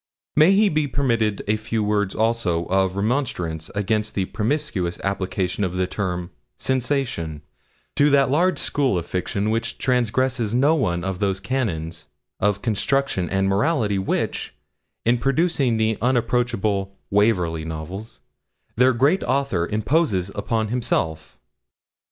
May he be permitted a few words also of remonstrance against the promiscuous application of the term 'sensation' to that large school of fiction which transgresses no one of those canons of construction and morality which, in producing the unapproachable 'Waverley Novels,' their great author imposed upon himself?